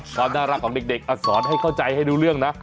ความน่ารักของเด็กสอนให้เข้าใจให้รู้เรื่องนะ